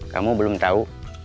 kamu belum tau